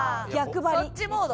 そっちモード？